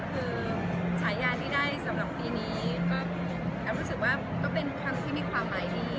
คือฉายาที่ได้สำหรับปีนี้ก็แอฟรู้สึกว่าก็เป็นครั้งที่มีความหมายดี